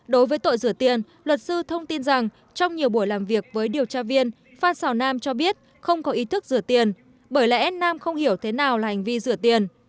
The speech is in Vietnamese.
đối với tội rửa tiền luật sư thông tin rằng trong nhiều buổi làm việc với điều tra viên phan xào nam cho biết không có ý thức rửa tiền bởi lẽ nam không hiểu thế nào là hành vi rửa tiền